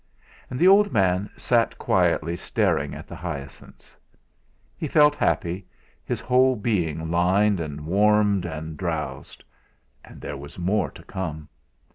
And the old man sat quietly staring at the hyacinths. He felt happy, his whole being lined and warmed and drowsed and there was more to come!